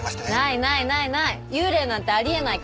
ないないないない！